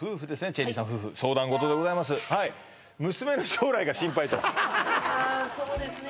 チェリーさん夫婦相談事でございますそうですね